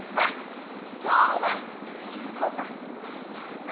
今日は一緒に行こうか。